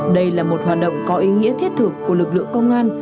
đây là một hoạt động có ý nghĩa thiết thực của lực lượng công an